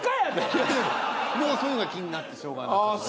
もうそういうのが気になってしょうがない。